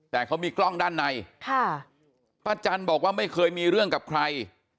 แต่เขามีกล้องด้านในค่ะป้าจันบอกว่าไม่เคยมีเรื่องกับใคร